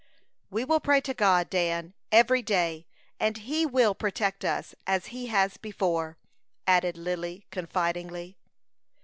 "We will pray to God, Dan, every day, and He will protect us, as He has before," added Lily, confidingly.